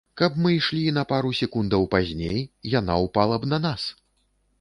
Калі б мы ішлі на пару секундаў пазней, яна ўпала б на нас!